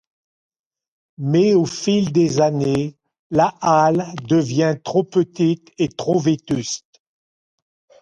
Mais au fil des années, la Halle devint trop petite et trop vétuste.